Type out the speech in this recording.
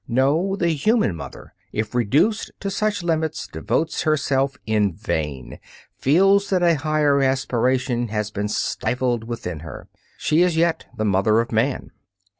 No, the human mother if reduced to such limits devotes herself in vain, feels that a higher aspiration has been stifled within her. She is yet the mother of man.